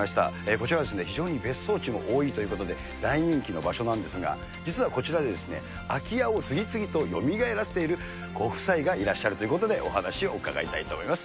こちらはですね、非常に別荘地も多いということで、大人気の場所なんですが、実はこちらでですね、空き家を次々とよみがえらせているご夫妻がいらっしゃるということで、お話を伺いたいと思います。